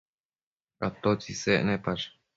atotsi isec nepash?